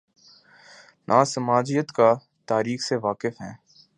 نہ سماجیات کا" تاریخ سے واقف ہیں۔